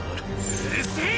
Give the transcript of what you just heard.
うるせぇ！